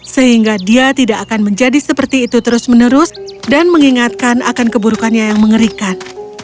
sehingga dia tidak akan menjadi seperti itu terus menerus dan mengingatkan akan keburukannya yang mengerikan